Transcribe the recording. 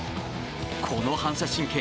この反射神経